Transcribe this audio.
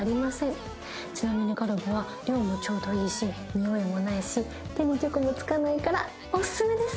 ちなみにガルボは量もちょうどいいしにおいもないし手にチョコも付かないからオススメです！